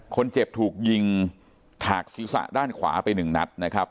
คนเจ็บถูกยิงถากศีรษะด้านขวาไปหนึ่งนัดนะครับ